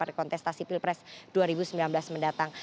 dan testasi pilpres dua ribu sembilan belas mendatang